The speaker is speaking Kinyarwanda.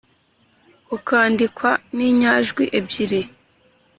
ukandikwa ni nyajwi ebyiri.